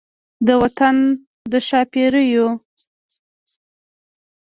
د وطن د ښا پیریو